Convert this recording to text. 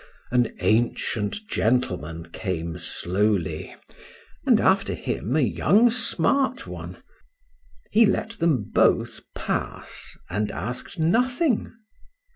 —An ancient gentleman came slowly—and, after him, a young smart one.—He let them both pass, and ask'd nothing.